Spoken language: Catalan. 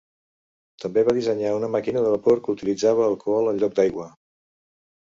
També va dissenyar una màquina de vapor que utilitzava alcohol en lloc d'aigua.